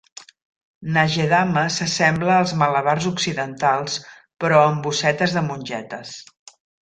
Nagedama s'assembla als malabars occidentals però amb bossetes de mongetes.